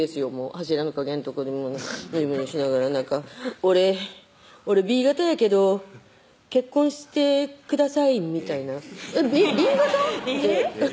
柱の陰んとこでぐにゅぐにゅしながら「俺俺Ｂ型やけど結婚してください」みたいな「Ｂ型？」ってえぇっ？